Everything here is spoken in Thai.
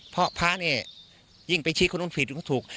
เพราะพระเนี่ยยิ่งไปชี้คนอุ้นผิดก็ถูก